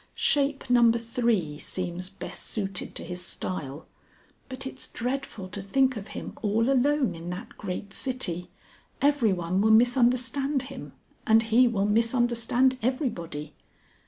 Shape No. 3 seems best suited to his style. But it's dreadful to think of him all alone in that great city. Everyone will misunderstand him, and he will misunderstand everybody.